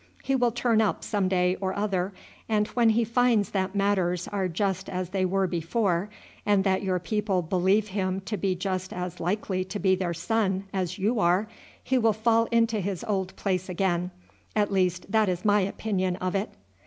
He will turn up some day or other; and when he finds that matters are just as they were before, and that your people believe him to be just as likely to be their son as you are, he will fall into his old place again at least that is my opinion of it."